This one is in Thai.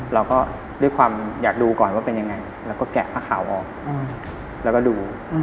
เราก็ด้วยความอยากดูก่อนว่าเป็นยังไงแล้วก็แกะผ้าขาวออกแล้วก็ดู